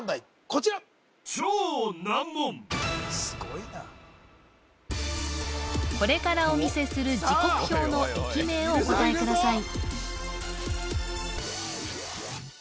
こちらこれからお見せする時刻表の駅名をお答えください